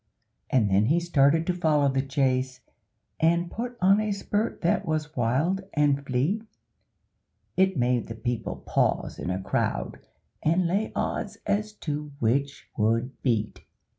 And then he started to follow the chase, And put on a spurt that was wild and fleet, It made the people pause in a crowd, And lay odds as to which would beat.